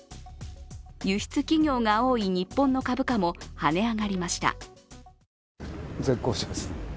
輸出企業が多い日本の株価も跳ね上がりました。